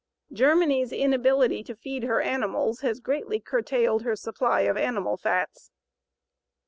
Germany's inability to feed her animals has greatly curtailed her supply of animal fats.